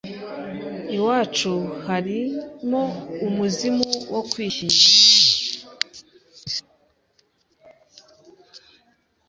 Iwacu harimo umuzimu wo kwishyingira